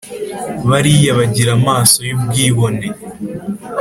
bariya bagira amaso y’ubwibone,